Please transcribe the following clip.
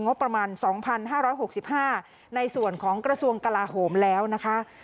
งบประมาณ๒๕๖๕ในส่วนของกระทรวงกลาโหมแล้วนะคะ